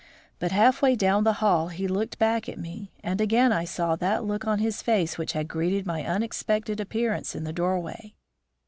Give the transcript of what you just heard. But half way down the hall he looked back at me, and again I saw that look on his face which had greeted my unexpected appearance in the doorway.